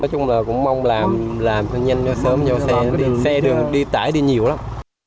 nói chung là cũng mong làm cho nhanh cho sớm cho xe đường đi tải đi nhiều lắm